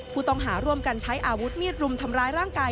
ผู้ต้องหาร่วมกันใช้อาวุธมีดรุมทำร้ายร่างกาย